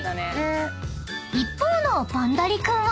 ［一方のバンダリ君は］